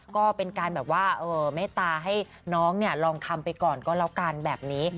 ก็เป็นการแบบว่าเมตตาให้น้องลองทำไปก่อนก็แล้วกันแบบนี้